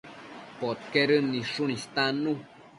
Podquedëmbi nidshun istannu